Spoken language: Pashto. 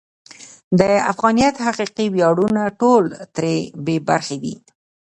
د افغانیت حقیقي ویاړونه ټول ترې بې برخې دي.